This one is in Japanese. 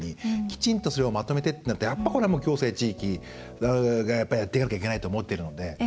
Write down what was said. きちんとそれをまとめてってなるとやっぱり、これは行政、地域がやっていかなきゃいけないと思っているので。